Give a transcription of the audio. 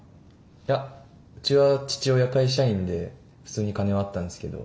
いやうちは父親会社員で普通に金はあったんですけど。